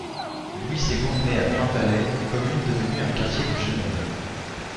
Louis Segond naît à Plainpalais, commune devenue un quartier de Genève.